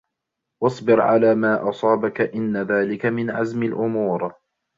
وَاصْبِرْ عَلَى مَا أَصَابَك إنَّ ذَلِكَ مِنْ عَزْمِ الْأُمُورِ